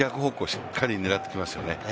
しっかり狙ってきますよね。